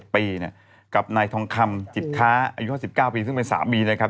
ปีกับนายทองคำจิตค้าอายุ๕๙ปีซึ่งเป็นสามีนะครับ